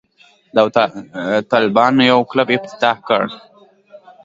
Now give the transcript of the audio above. داوطلبانو یو کلب افتتاح کړ.